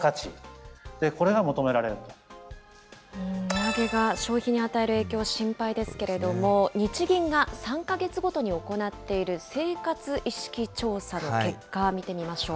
値上げが消費に与える影響、心配ですけれども、日銀が３か月ごとに行っている生活意識調査の結果、見てみましょ